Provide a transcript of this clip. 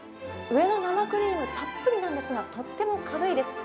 上の生クリームたっぷりなんですがとっても軽いです。